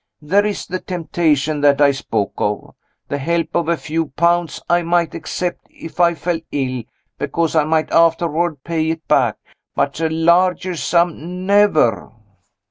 _ There is the temptation that I spoke of. The help of a few pounds I might accept, if I fell ill, because I might afterward pay it back. But a larger sum never!"